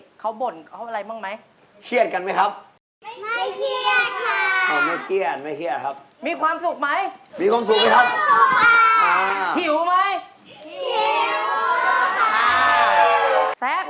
ฮัลโหลสวัสดีครับห้องเด็กตร้า